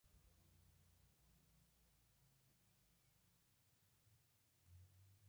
vosotras partís